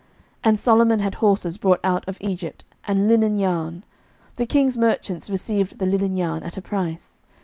11:010:028 And Solomon had horses brought out of Egypt, and linen yarn: the king's merchants received the linen yarn at a price.